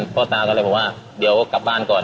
พ่อตาก็เลยบอกว่าเดี๋ยวกลับบ้านก่อน